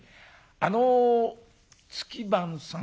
「あの月番さん」。